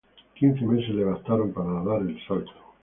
Quince meses le bastaron para dar el salto.